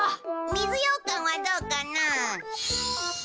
水ようかんはどうかな？